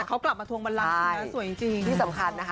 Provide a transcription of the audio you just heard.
แต่เขากลับมาทวงบรรลักษณะสวยจริง